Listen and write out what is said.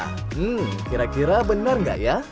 hmm kira kira benar nggak ya